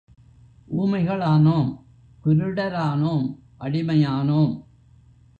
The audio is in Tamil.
ஊமைகளானோம், குருடரானோம், அடிமையானோம்!